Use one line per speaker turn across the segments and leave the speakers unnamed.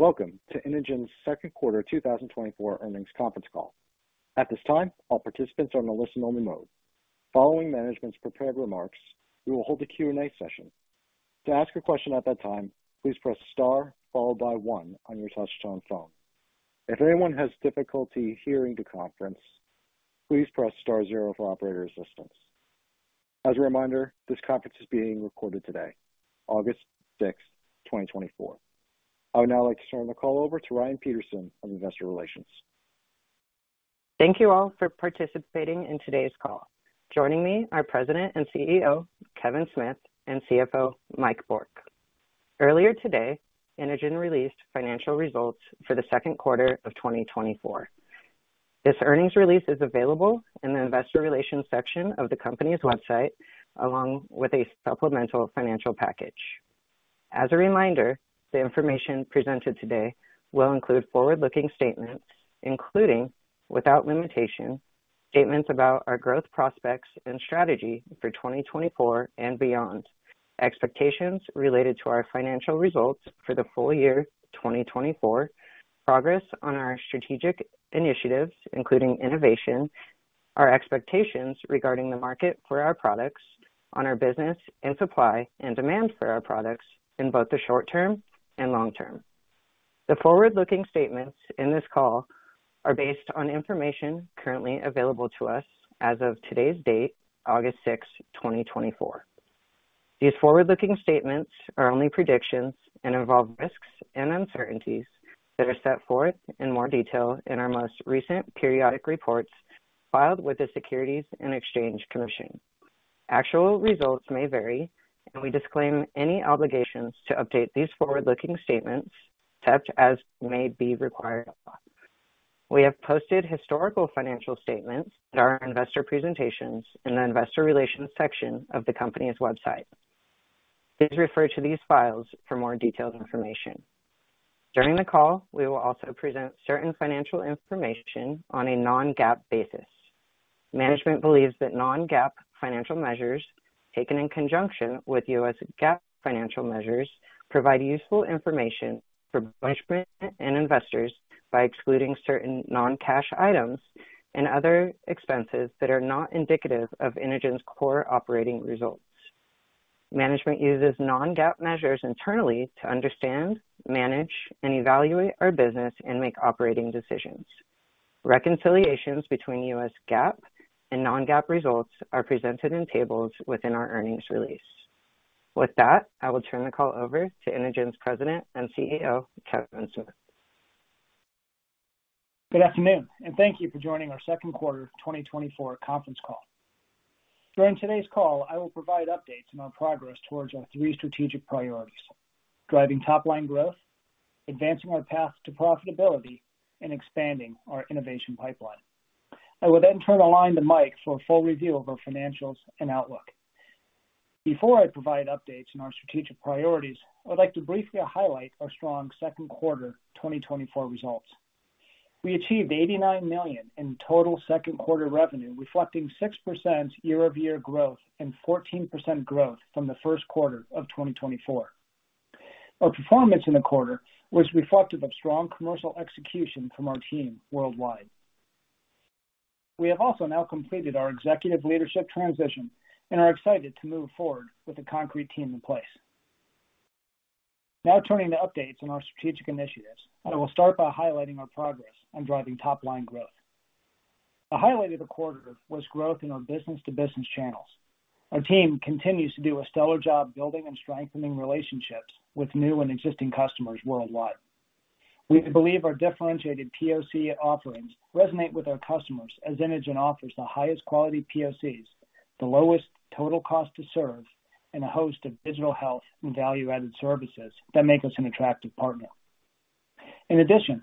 Welcome to Inogen's second quarter 2024 earnings conference call. At this time, all participants are in a listen-only mode. Following management's prepared remarks, we will hold a Q&A session. To ask a question at that time, please press star followed by one on your touchtone phone. If anyone has difficulty hearing the conference, please press star zero for operator assistance. As a reminder, this conference is being recorded today, August 6, 2024. I would now like to turn the call over to Ryan Peterson from Investor Relations.
Thank you all for participating in today's call. Joining me are President and CEO, Kevin Smith, and CFO, Mike Bourque. Earlier today, Inogen released financial results for the second quarter of 2024. This earnings release is available in the investor relations section of the company's website, along with a supplemental financial package. As a reminder, the information presented today will include forward-looking statements, including, without limitation, statements about our growth prospects and strategy for 2024 and beyond, expectations related to our financial results for the full year 2024, progress on our strategic initiatives, including innovation, our expectations regarding the market for our products, on our business and supply and demand for our products in both the short term and long term. The forward-looking statements in this call are based on information currently available to us as of today's date, August 6, 2024. These forward-looking statements are only predictions and involve risks and uncertainties that are set forth in more detail in our most recent periodic reports filed with the Securities and Exchange Commission. Actual results may vary, and we disclaim any obligations to update these forward-looking statements, such as may be required. We have posted historical financial statements and our investor presentations in the investor relations section of the company's website. Please refer to these files for more detailed information. During the call, we will also present certain financial information on a non-GAAP basis. Management believes that non-GAAP financial measures, taken in conjunction with U.S. GAAP financial measures, provide useful information for management and investors by excluding certain non-cash items and other expenses that are not indicative of Inogen's core operating results. Management uses non-GAAP measures internally to understand, manage, and evaluate our business and make operating decisions. Reconciliations between U.S. GAAP and non-GAAP results are presented in tables within our earnings release. With that, I will turn the call over to Inogen's President and CEO, Kevin Smith.
Good afternoon, and thank you for joining our second quarter of 2024 conference call. During today's call, I will provide updates on our progress towards our three strategic priorities: driving top-line growth, advancing our path to profitability, and expanding our innovation pipeline. I will then turn the line to Mike for a full review of our financials and outlook. Before I provide updates on our strategic priorities, I'd like to briefly highlight our strong second quarter 2024 results. We achieved $89 million in total second quarter revenue, reflecting 6% year-over-year growth and 14% growth from the first quarter of 2024. Our performance in the quarter was reflective of strong commercial execution from our team worldwide. We have also now completed our executive leadership transition and are excited to move forward with a concrete team in place. Now turning to updates on our strategic initiatives, I will start by highlighting our progress on driving top-line growth. A highlight of the quarter was growth in our business-to-business channels. Our team continues to do a stellar job building and strengthening relationships with new and existing customers worldwide. We believe our differentiated POC offerings resonate with our customers as Inogen offers the highest quality POCs, the lowest total cost to serve, and a host of digital health and value-added services that make us an attractive partner. In addition,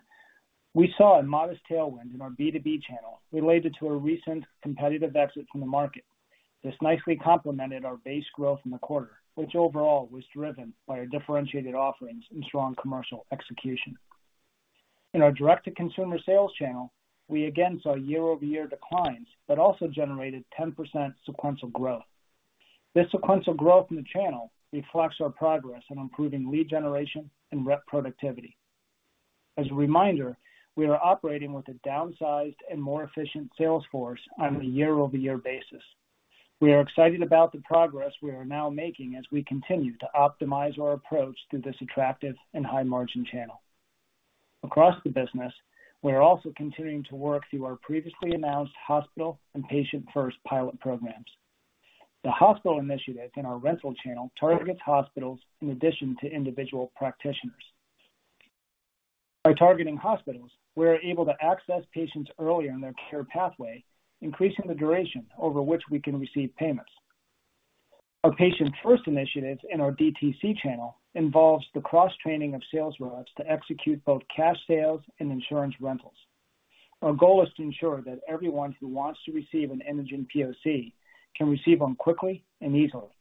we saw a modest tailwind in our B2B channel related to a recent competitive exit from the market. This nicely complemented our base growth in the quarter, which overall was driven by our differentiated offerings and strong commercial execution. In our direct-to-consumer sales channel, we again saw year-over-year declines, but also generated 10% sequential growth. This sequential growth in the channel reflects our progress in improving lead generation and rep productivity. As a reminder, we are operating with a downsized and more efficient sales force on a year-over-year basis. We are excited about the progress we are now making as we continue to optimize our approach to this attractive and high-margin channel. Across the business, we are also continuing to work through our previously announced hospital and Patient First pilot programs. The hospital initiative in our rental channel targets hospitals in addition to individual practitioners. By targeting hospitals, we are able to access patients earlier in their care pathway, increasing the duration over which we can receive payments. Our Patient First initiatives in our DTC channel involves the cross-training of sales reps to execute both cash sales and insurance rentals. Our goal is to ensure that everyone who wants to receive an Inogen POC can receive them quickly and easily.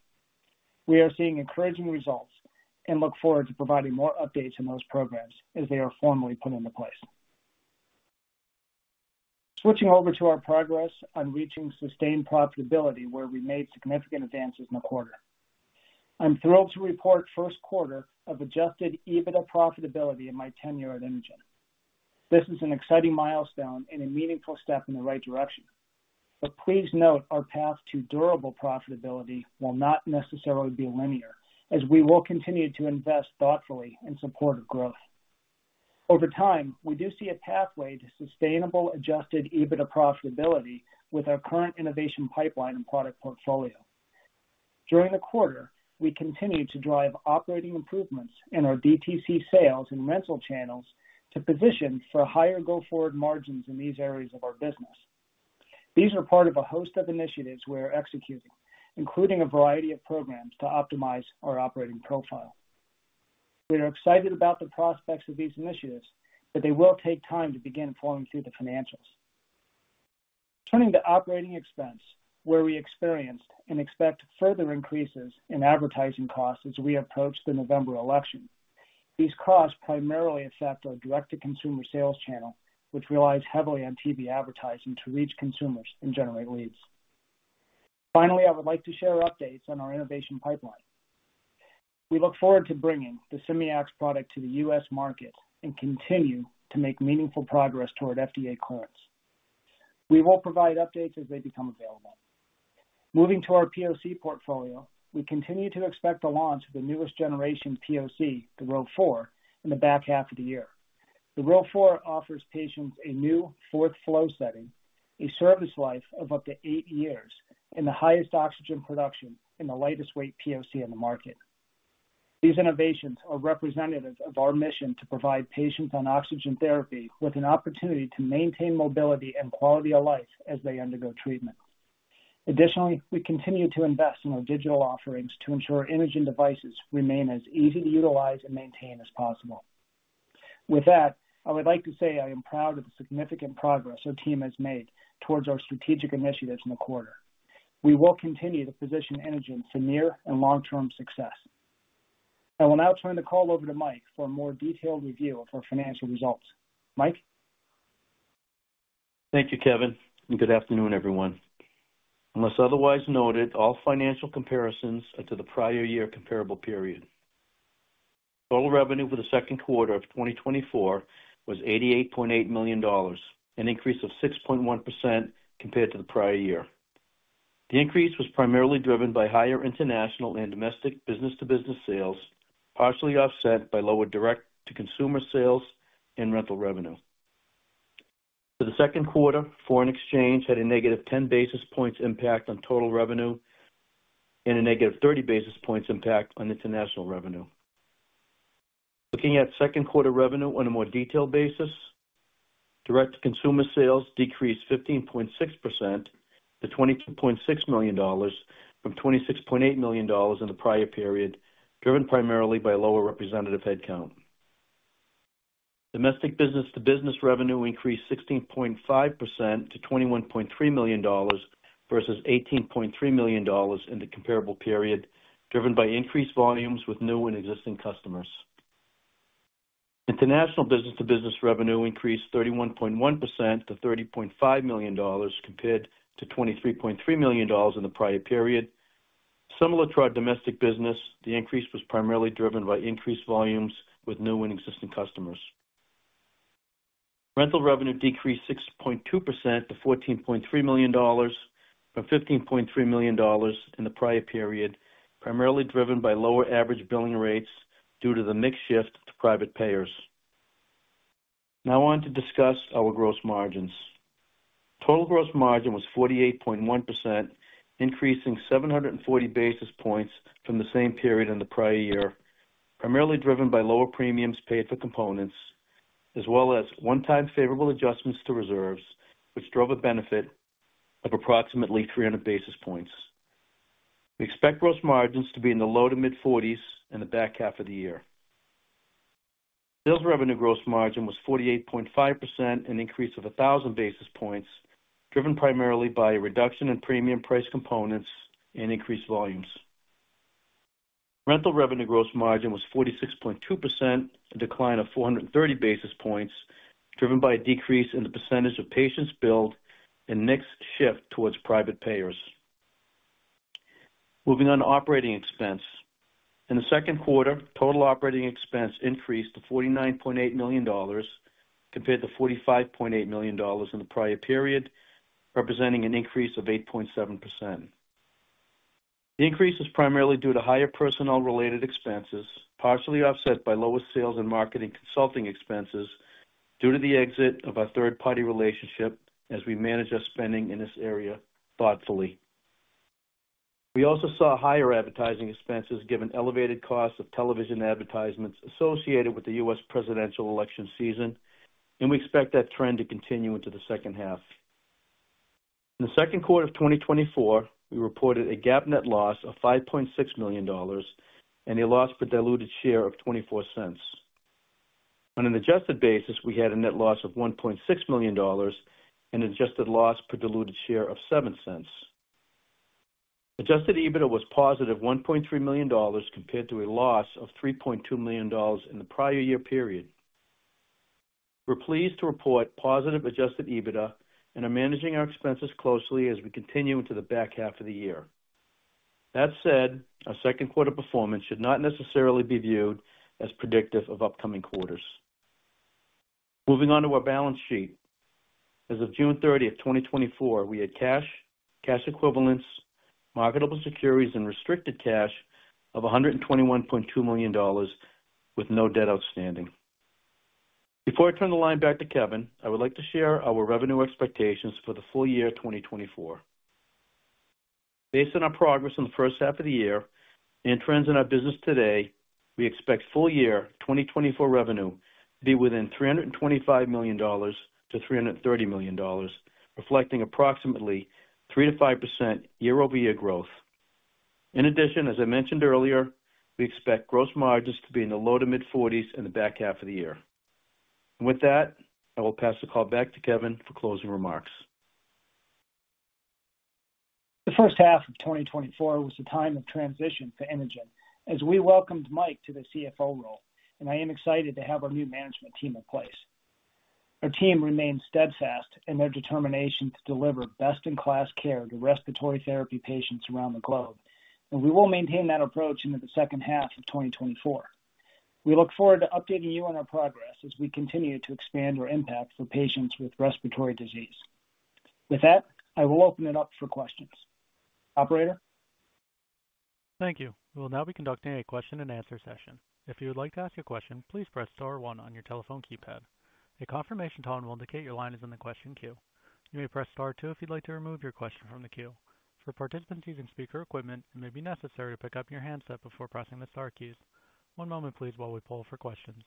We are seeing encouraging results and look forward to providing more updates on those programs as they are formally put into place. Switching over to our progress on reaching sustained profitability, where we made significant advances in the quarter. I'm thrilled to report first quarter of Adjusted EBITDA profitability in my tenure at Inogen. This is an exciting milestone and a meaningful step in the right direction. But please note our path to durable profitability will not necessarily be linear, as we will continue to invest thoughtfully in support of growth. Over time, we do see a pathway to sustainable, Adjusted EBITDA profitability with our current innovation pipeline and product portfolio. During the quarter, we continued to drive operating improvements in our DTC sales and rental channels to position for higher go-forward margins in these areas of our business. These are part of a host of initiatives we are executing, including a variety of programs to optimize our operating profile. We are excited about the prospects of these initiatives, but they will take time to begin flowing through the financials. Turning to operating expense, where we experienced and expect further increases in advertising costs as we approach the November election. These costs primarily affect our direct-to-consumer sales channel, which relies heavily on TV advertising to reach consumers and generate leads. Finally, I would like to share updates on our innovation pipeline. We look forward to bringing the Simeox product to the U.S. market and continue to make meaningful progress toward FDA clearance. We will provide updates as they become available. Moving to our POC portfolio, we continue to expect the launch of the newest generation POC the Rove 4 in the back half of the year. The Rove 4 offers patients a new fourth flow setting, a service life of up to eight years, and the highest oxygen production and the lightest weight POC on the market. These innovations are representative of our mission to provide patients on oxygen therapy with an opportunity to maintain mobility and quality of life as they undergo treatment. Additionally, we continue to invest in our digital offerings to ensure Inogen devices remain as easy to utilize and maintain as possible. With that, I would like to say I am proud of the significant progress our team has made towards our strategic initiatives in the quarter. We will continue to position Inogen for near and long-term success. I will now turn the call over to Mike for a more detailed review of our financial results. Mike?
Thank you, Kevin, and good afternoon, everyone. Unless otherwise noted, all financial comparisons are to the prior-year comparable period. Total revenue for the second quarter of 2024 was $88.8 million, an increase of 6.1% compared to the prior-year. The increase was primarily driven by higher international and domestic business-to-business sales, partially offset by lower direct-to-consumer sales and rental revenue. For the second quarter, foreign exchange had a negative ten basis points impact on total revenue and a negative thirty basis points impact on international revenue. Looking at second quarter revenue on a more detailed basis, direct-to-consumer sales decreased 15.6% to $22.6 million from $26.8 million in the prior period, driven primarily by lower representative headcount. Domestic business-to-business revenue increased 16.5% to $21.3 million versus $18.3 million in the comparable period, driven by increased volumes with new and existing customers. International business-to-business revenue increased 31.1% to $30.5 million, compared to $23.3 million in the prior period. Similar to our domestic business, the increase was primarily driven by increased volumes with new and existing customers. Rental revenue decreased 6.2% to $14.3 million from $15.3 million in the prior period, primarily driven by lower average billing rates due to the mix shift to private payers. Now, on to discuss our gross margins. Total gross margin was 48.1%, increasing 740 basis points from the same period in the prior year, primarily driven by lower premiums paid for components, as well as one-time favorable adjustments to reserves, which drove a benefit of approximately 300 basis points. We expect gross margins to be in the low- to mid-40s in the back half of the year. Sales revenue gross margin was 48.5%, an increase of 1,000 basis points, driven primarily by a reduction in premium price components and increased volumes. Rental revenue gross margin was 46.2%, a decline of 430 basis points, driven by a decrease in the percentage of patients billed and mixed shift towards private payers. Moving on to operating expense. In the second quarter, total operating expense increased to $49.8 million, compared to $45.8 million in the prior period, representing an increase of 8.7%. The increase is primarily due to higher personnel-related expenses, partially offset by lower sales and marketing consulting expenses due to the exit of our third-party relationship as we manage our spending in this area thoughtfully. We also saw higher advertising expenses given elevated costs of television advertisements associated with the U.S. presidential election season, and we expect that trend to continue into the second half. In the second quarter of 2024, we reported a GAAP net loss of $5.6 million and a loss per diluted share of $0.24. On an adjusted basis, we had a net loss of $1.6 million and adjusted loss per diluted share of $0.07. Adjusted EBITDA was positive $1.3 million, compared to a loss of $3.2 million in the prior year period. We're pleased to report positive adjusted EBITDA and are managing our expenses closely as we continue into the back half of the year. That said, our second quarter performance should not necessarily be viewed as predictive of upcoming quarters. Moving on to our balance sheet. As of June 30, 2024, we had cash, cash equivalents, marketable securities, and restricted cash of $121.2 million with no debt outstanding. Before I turn the line back to Kevin, I would like to share our revenue expectations for the full year 2024. Based on our progress in the first half of the year and trends in our business today, we expect full year 2024 revenue to be within $325 million-$330 million, reflecting approximately 3%-5% year-over-year growth. In addition, as I mentioned earlier, we expect gross margins to be in the low to mid-40s% in the back half of the year. With that, I will pass the call back to Kevin for closing remarks.
The first half of 2024 was a time of transition for Inogen as we welcomed Mike to the CFO role, and I am excited to have our new management team in place. Our team remains steadfast in their determination to deliver best-in-class care to respiratory therapy patients around the globe, and we will maintain that approach into the second half of 2024. We look forward to updating you on our progress as we continue to expand our impact for patients with respiratory disease. With that, I will open it up for questions. Operator?
Thank you. We will now be conducting a question-and-answer session. If you would like to ask a question, please press star one on your telephone keypad. A confirmation tone will indicate your line is in the question queue. You may press star two if you'd like to remove your question from the queue. For participants using speaker equipment, it may be necessary to pick up your handset before pressing the star keys. One moment please while we poll for questions.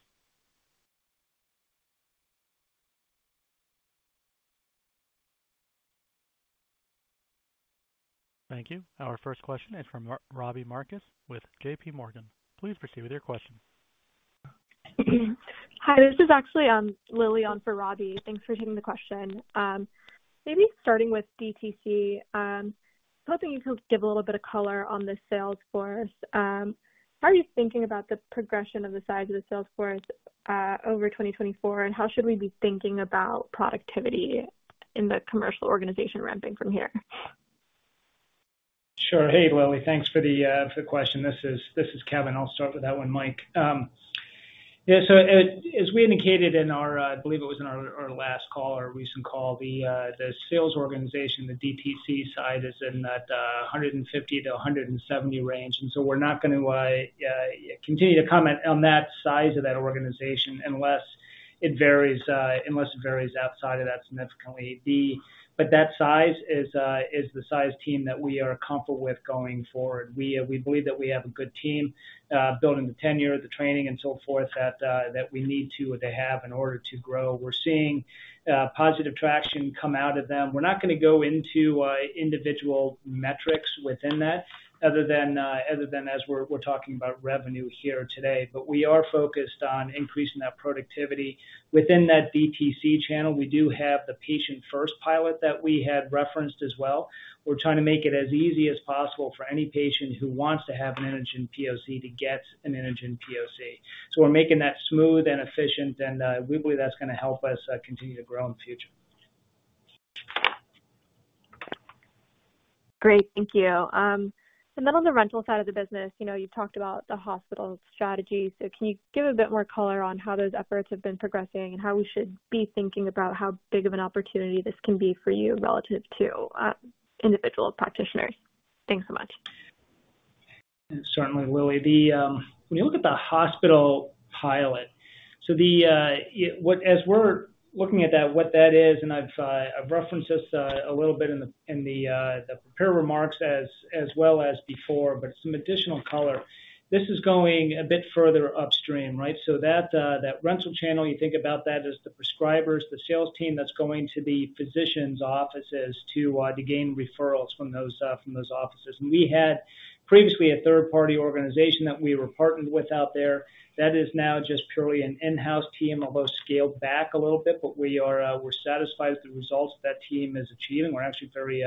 Thank you. Our first question is from Robbie Marcus with J.P. Morgan. Please proceed with your question.
Hi, this is actually Lily on for Robbie. Thanks for taking the question. Maybe starting with DTC, hoping you could give a little bit of color on the sales force. How are you thinking about the progression of the size of the sales force over 2024, and how should we be thinking about productivity in the commercial organization ramping from here?
Sure. Hey, Lily, thanks for the, for the question. This is Kevin. I'll start with that one, Mike. Yeah, so as we indicated in our, I believe it was in our last call or recent call, the sales organization, the DTC side, is in that 150-170 range, and so we're not going to continue to comment on that size of that organization unless it varies outside of that significantly. But that size is the size team that we are comfortable with going forward. We believe that we have a good team, building the tenure, the training, and so forth, that we need to they have in order to grow. We're seeing positive traction come out of them. We're not going to go into, individual metrics within that, other than, other than as we're, we're talking about revenue here today. But we are focused on increasing that productivity. Within that DTC channel, we do have the Patient First pilot that we had referenced as well. We're trying to make it as easy as possible for any patient who wants to have an Inogen POC to get an Inogen POC. So we're making that smooth and efficient, and, we believe that's going to help us, continue to grow in the future.
Great. Thank you. And then on the rental side of the business, you know, you talked about the hospital strategy. So can you give a bit more color on how those efforts have been progressing and how we should be thinking about how big of an opportunity this can be for you relative to individual practitioners? Thanks so much.
Certainly, Lily. When you look at the hospital pilot, so as we're looking at that, what that is, and I've referenced this a little bit in the prepared remarks as well as before, but some additional color. This is going a bit further upstream, right? So that rental channel, you think about that as the prescribers, the sales team that's going to the physicians' offices to gain referrals from those offices. And we had previously a third-party organization that we were partnered with out there. That is now just purely an in-house team, although scaled back a little bit, but we're satisfied with the results that team is achieving. We're actually very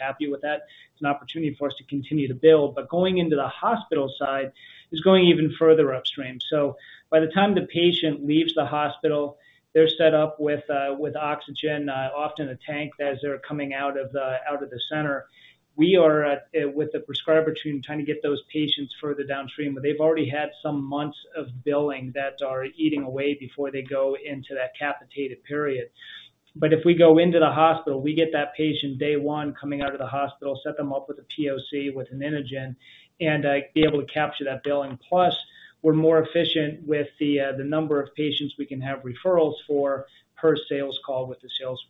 happy with that. It's an opportunity for us to continue to build. But going into the hospital side is going even further upstream. So by the time the patient leaves the hospital, they're set up with oxygen, often a tank, as they're coming out of the center. We are with the prescriber team, trying to get those patients further downstream, but they've already had some months of billing that are eating away before they go into that capitated period. But if we go into the hospital, we get that patient day one coming out of the hospital, set them up with a POC, with an Inogen, and be able to capture that billing. Plus, we're more efficient with the number of patients we can have referrals for per sales call with the sales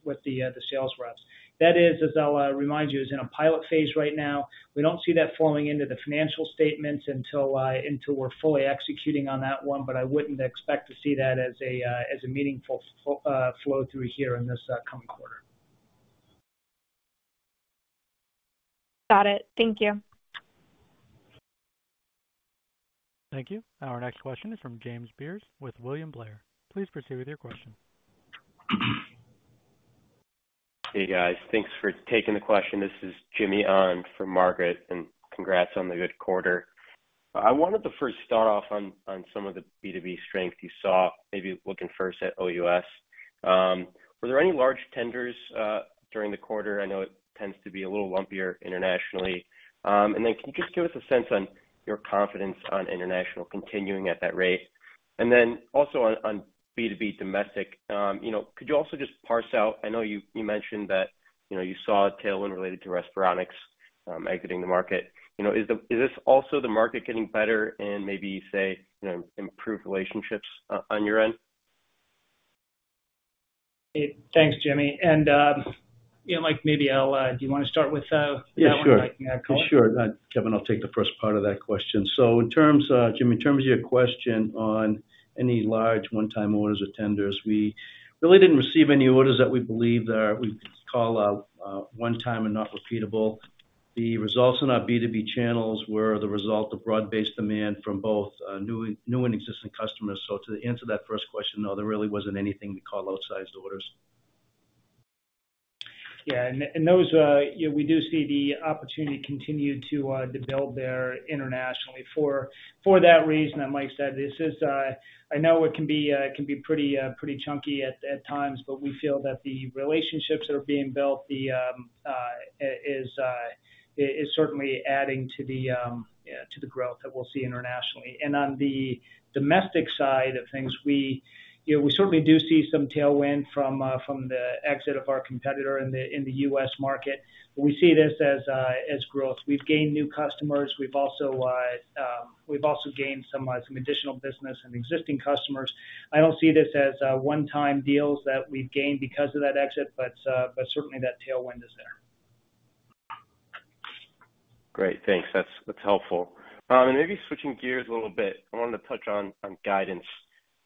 reps. That is, as I'll remind you, is in a pilot phase right now. We don't see that flowing into the financial statements until we're fully executing on that one, but I wouldn't expect to see that as a meaningful flow through here in this coming quarter.
Got it. Thank you.
Thank you. Our next question is from James Beers with William Blair. Please proceed with your question.
Hey, guys. Thanks for taking the question. This is James Beers for Margaret, and congrats on the good quarter. I wanted to first start off on some of the B2B strength you saw, maybe looking first at OUS. Were there any large tenders during the quarter? I know it tends to be a little lumpier internationally. And then can you just give us a sense on your confidence on international continuing at that rate? And then also on B2B domestic, you know, could you also just parse out I know you mentioned that, you know, you saw a tailwind related to Respironics exiting the market. You know, is this also the market getting better and maybe, say, you know, improved relationships on your end?
Hey, thanks, Jimmy. You know, Mike, maybe I'll. Do you want to start with that one?
Yeah, sure. Sure. Kevin, I'll take the first part of that question. So in terms, Jimmy, in terms of your question on any large one-time orders or tenders, we really didn't receive any orders that we believe that are, we call out, one time and not repeatable. The results in our B2B channels were the result of broad-based demand from both, new, new and existing customers. So to answer that first question, no, there really wasn't anything we call outsized orders.
Yeah, and those, yeah, we do see the opportunity continue to develop there internationally. For that reason, and Mike said, this is, I know it can be pretty chunky at times, but we feel that the relationships that are being built is certainly adding to the growth that we'll see internationally. And on the domestic side of things, we, you know, we certainly do see some tailwind from the exit of our competitor in the U.S. market. We see this as growth. We've gained new customers. We've also gained some additional business and existing customers. I don't see this as one-time deals that we've gained because of that exit, but certainly that tailwind is there.
Great, thanks. That's, that's helpful. And maybe switching gears a little bit. I wanted to touch on, on guidance.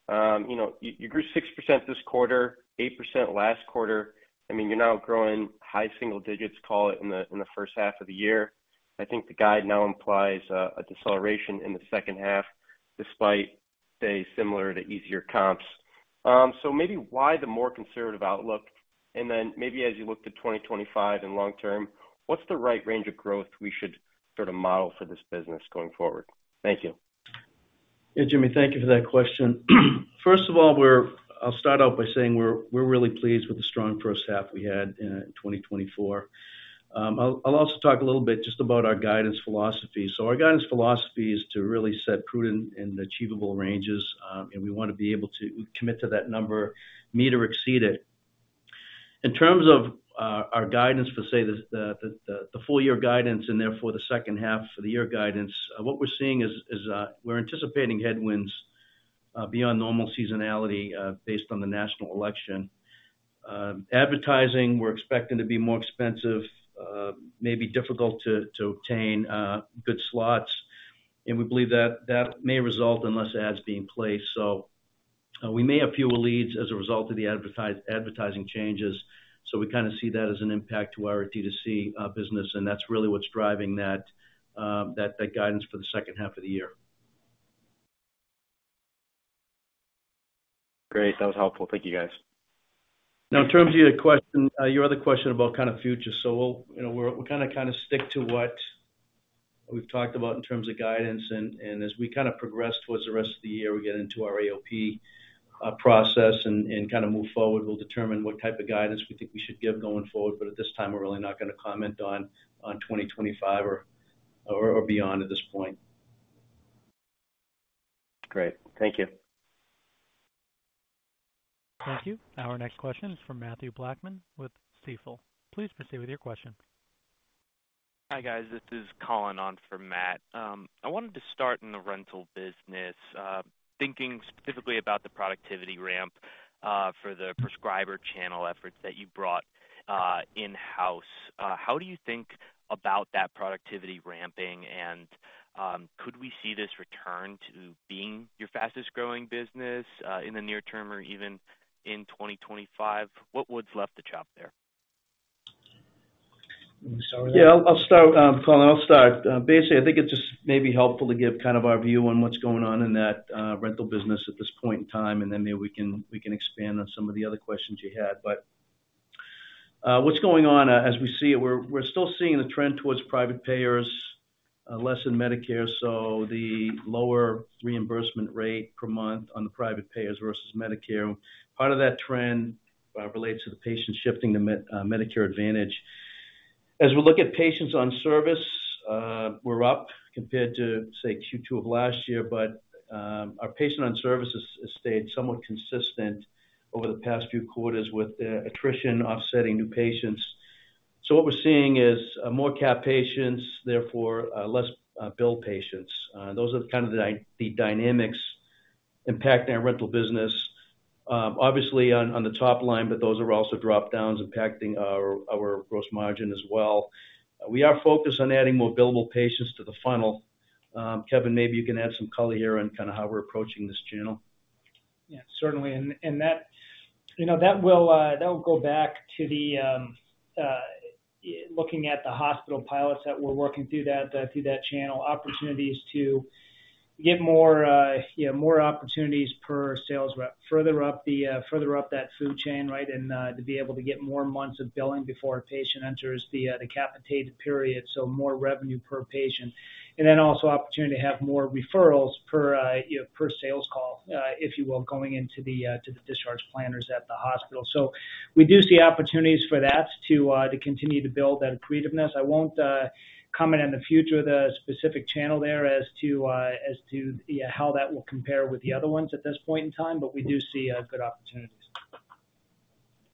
You know, you, you grew 6% this quarter, 8% last quarter. I mean, you're now growing high single digits, call it, in the, in the first half of the year. I think the guide now implies a deceleration in the second half, despite, say, similar to easier comps. So maybe why the more conservative outlook? And then maybe as you look to 2025 and long term, what's the right range of growth we should sort of model for this business going forward? Thank you.
Yeah, Jimmy, thank you for that question. First of all, we're. I'll start out by saying we're really pleased with the strong first half we had in 2024. I'll also talk a little bit just about our guidance philosophy. So our guidance philosophy is to really set prudent and achievable ranges, and we want to be able to commit to that number, meet or exceed it. In terms of our guidance for, say, the full year guidance and therefore the second half for the year guidance, what we're seeing is we're anticipating headwinds beyond normal seasonality based on the national election. Advertising, we're expecting to be more expensive, maybe difficult to obtain good slots, and we believe that that may result in less ads being placed. So, we may have fewer leads as a result of the advertising changes, so we kind of see that as an impact to our DTC business, and that's really what's driving that guidance for the second half of the year.
Great. That was helpful. Thank you, guys.
Now, in terms of your question, your other question about kind of future. So we'll, you know, we'll kind of stick to what we've talked about in terms of guidance, and as we kind of progress towards the rest of the year, we get into our AOP process and kind of move forward, we'll determine what type of guidance we think we should give going forward. But at this time, we're really not going to comment on 2025 or beyond at this point.
Great. Thank you.
Thank you. Our next question is from Matthew Blackman with Stifel. Please proceed with your question.
Hi, guys. This is Colin on for Matt. I wanted to start in the rental business, thinking specifically about the productivity ramp for the prescriber channel efforts that you brought in-house. How do you think about that productivity ramping? And, could we see this return to being your fastest-growing business in the near term or even in 2025? What's left to chop there?
You want me to start with that? Yeah, I'll start, Colin. Basically, I think it just may be helpful to give kind of our view on what's going on in that rental business at this point in time, and then maybe we can expand on some of the other questions you had. But what's going on, as we see it, we're still seeing the trend towards private payers, less than Medicare, so the lower reimbursement rate per month on the private payers versus Medicare. Part of that trend relates to the patient shifting to Medicare Advantage. As we look at patients on service, we're up compared to, say, Q2 of last year, but our patient on service has stayed somewhat consistent over the past few quarters with the attrition offsetting new patients. So what we're seeing is more capped patients, therefore less billed patients. Those are kind of the dynamics impacting our rental business. Obviously on the top line, but those are also drop-downs impacting our gross margin as well. We are focused on adding more billable patients to the funnel. Kevin, maybe you can add some color here on kind of how we're approaching this channel.
Yeah, certainly. And that, you know, that will go back to looking at the hospital pilots that we're working through that channel. Opportunities to get more, yeah, more opportunities per sales rep, further up that food chain, right? And to be able to get more months of billing before a patient enters the capitated period, so more revenue per patient. And then also opportunity to have more referrals per, you know, per sales call, if you will, going into the discharge planners at the hospital. So we do see opportunities for that to continue to build that creativeness. I won't comment on the future of the specific channel there as to, as to, yeah, how that will compare with the other ones at this point in time, but we do see good opportunities.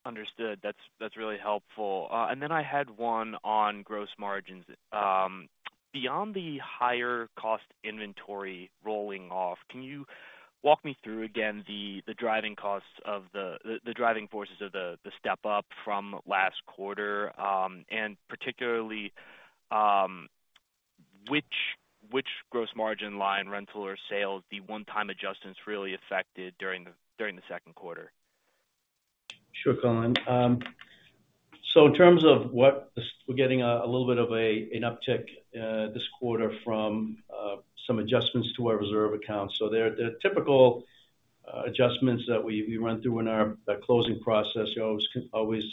Understood. That's, that's really helpful. And then I had one on gross margins. Beyond the higher cost inventory rolling off, can you walk me through again the driving forces of the step up from last quarter? And particularly, which gross margin line, rental or sales, the one-time adjustments really affected during the second quarter?
Sure, Colin. So in terms of what we're getting a little bit of an uptick this quarter from some adjustments to our reserve account. So they're typical adjustments that we run through in the closing process. You always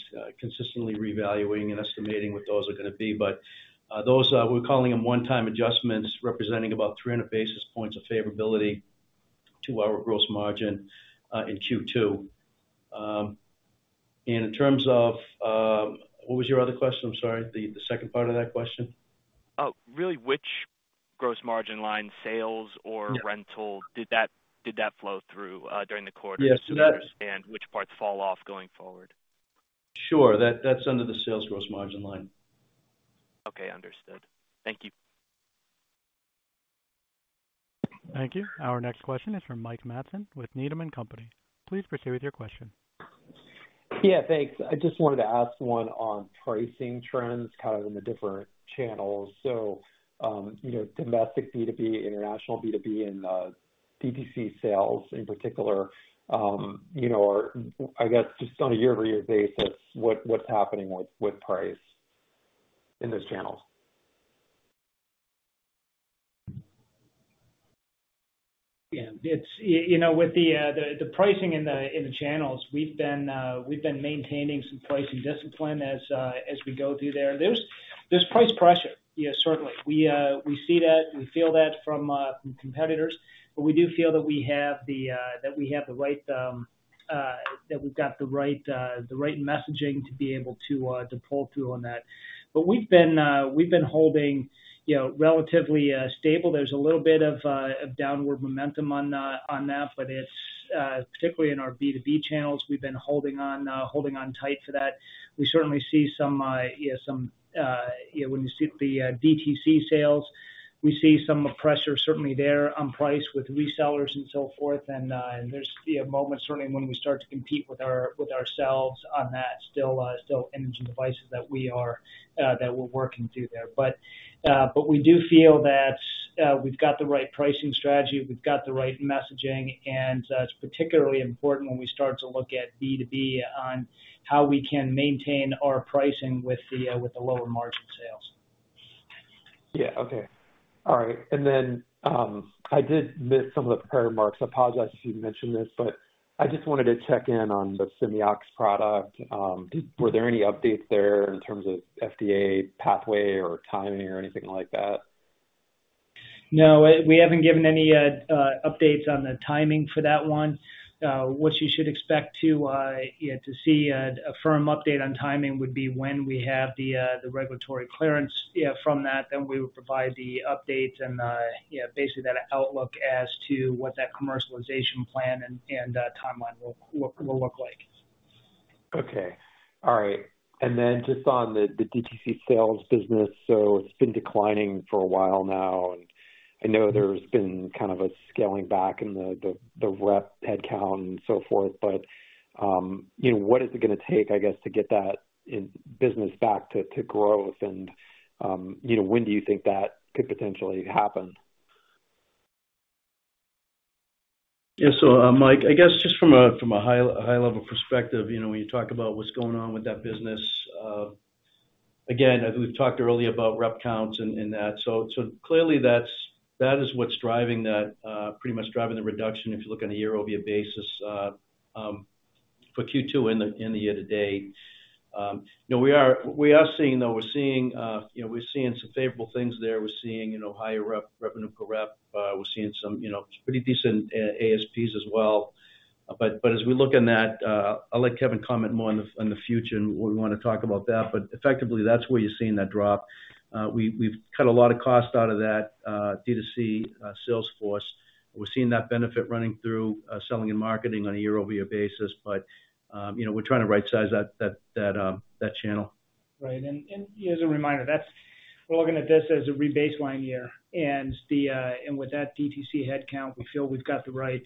consistently revaluing and estimating what those are gonna be. But those we're calling them one-time adjustments, representing about 300 basis points of favorability to our gross margin in Q2. And in terms of... What was your other question? I'm sorry, the second part of that question.
Really, which gross margin line, sales or-
Yeah...
rental, did that, did that flow through, during the quarter-
Yes, so that-
So I understand which parts fall off going forward.
Sure. That, that's under the sales gross margin line.
Okay, understood. Thank you.
Thank you. Our next question is from Mike Matson with Needham & Company. Please proceed with your question.
Yeah, thanks. I just wanted to ask one on pricing trends, kind of in the different channels. So, you know, domestic B2B, international B2B and DTC sales in particular, you know, or I guess, just on a year-over-year basis, what's happening with price in those channels?
Yeah, it's you know, with the pricing in the channels, we've been maintaining some pricing discipline as we go through there. There's price pressure. Yes, certainly. We see that, we feel that from competitors, but we do feel that we have the right, that we've got the right messaging to be able to pull through on that. But we've been holding, you know, relatively stable. There's a little bit of downward momentum on that, but it's particularly in our B2B channels, we've been holding on tight for that. We certainly see some when you see the DTC sales, we see some pressure certainly there on price with resellers and so forth. And there's moments certainly when we start to compete with our with ourselves on that still Inogen devices that we are that we're working through there. But we do feel that we've got the right pricing strategy, we've got the right messaging, and it's particularly important when we start to look at B2B on how we can maintain our pricing with the with the lower margin sales.
Yeah. Okay. All right. And then, I did miss some of the prepared remarks. I apologize if you mentioned this, but I just wanted to check in on the Simeox product. Were there any updates there in terms of FDA pathway or timing or anything like that?
No, we haven't given any updates on the timing for that one. What you should expect to see a firm update on timing would be when we have the regulatory clearance from that, then we would provide the updates and basically that outlook as to what that commercialization plan and timeline will look like.
Okay. All right. And then just on the DTC sales business, so it's been declining for a while now, and I know there's been kind of a scaling back in the rep headcount and so forth, but, you know, what is it gonna take, I guess, to get that in business back to growth? And, you know, when do you think that could potentially happen?
Yeah. So, Mike, I guess just from a high level perspective, you know, when you talk about what's going on with that business, again, as we've talked earlier about rep counts and that, so clearly that's, that is what's driving that, pretty much driving the reduction, if you look on a year-over-year basis, for Q2 in the year to date. You know, we are seeing, though, we're seeing some favorable things there. We're seeing, you know, higher rep revenue per rep. We're seeing some, you know, pretty decent ASPs as well. But as we look in that, I'll let Kevin comment more on the future, and what we want to talk about that, but effectively, that's where you're seeing that drop. We've cut a lot of cost out of that DTC sales force. We're seeing that benefit running through selling and marketing on a year-over-year basis. But you know, we're trying to rightsize that channel.
Right. And as a reminder, that's. We're looking at this as a rebaseline year. And with that DTC headcount, we feel we've got the right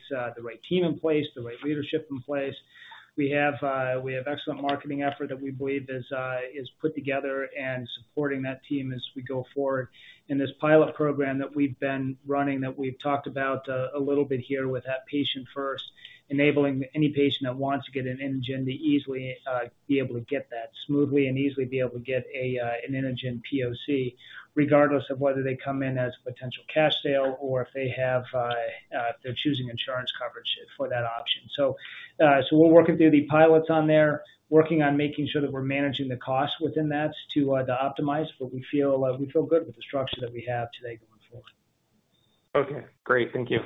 team in place, the right leadership in place. We have excellent marketing effort that we believe is put together and supporting that team as we go forward. In this pilot program that we've been running, that we've talked about a little bit here, with that patient first, enabling any patient that wants to get an Inogen to easily be able to get that, smoothly and easily be able to get an Inogen POC, regardless of whether they come in as a potential cash sale or if they're choosing insurance coverage for that option. We're working through the pilots on there, working on making sure that we're managing the costs within that to optimize, but we feel, we feel good with the structure that we have today going forward.
Okay, great. Thank you.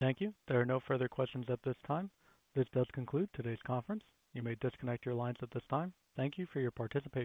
Thank you. There are no further questions at this time. This does conclude today's conference. You may disconnect your lines at this time. Thank you for your participation.